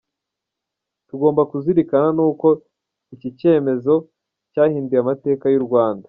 tugomba kuzirikana nuko iki cyemezo cyahinduye amateka y’Urwanda.